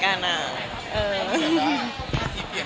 ก็เลยเอาข้าวเหนียวมะม่วงมาปากเทียน